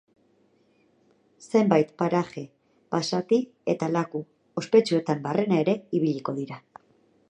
Zenbait paraje basati eta laku ospetsuetan barrena ere ibiliko dira.